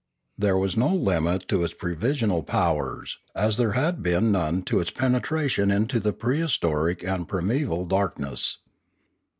There was no limit to its previsional powers, as there had been none to its penetration into the prehistoric and prim eval darkness.